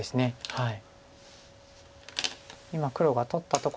はい。